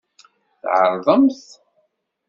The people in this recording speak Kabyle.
Tɛerḍemt.